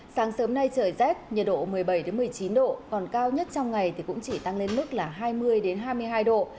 sáng sớm nay trời rét nhiệt độ một mươi bảy một mươi chín độ còn cao nhất trong ngày thì cũng chỉ tăng lên mức là hai mươi hai mươi hai độ